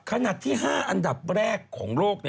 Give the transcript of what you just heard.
ขนาดที่๕อันดับแรกของโลก